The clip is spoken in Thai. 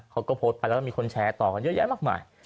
เขาก็โพสต์ไปแล้วมีคนแชร์ต่อกันเยอะแยะมากมาย